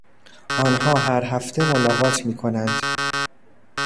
آنها هر هفته ملاقات میکنند.